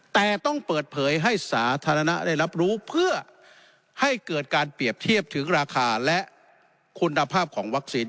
แต่ต้องเปิดเผยให้สาธารณะได้รับรู้เพื่อให้เกิดการเปรียบเทียบถึงราคาและคุณภาพของวัคซีน